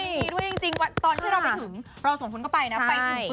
ยินดีด้วยจริงวันตอนที่เราไปถึงเราส่งคุณเข้าไปนะ